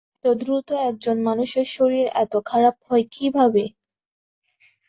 এত দ্রুত এক জন মানুষের শরীর এত খারাপ হয় কীভাবে?